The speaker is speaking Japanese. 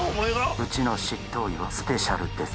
うちの執刀医はスペシャルです